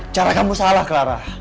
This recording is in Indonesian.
cara kamu salah clara